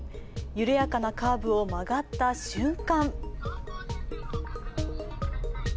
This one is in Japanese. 緩やかなカーブを曲がった瞬間